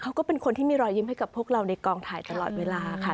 ก็เป็นคนที่มีรอยยิ้มให้กับพวกเราในกองถ่ายตลอดเวลาค่ะ